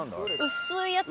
薄いやつ？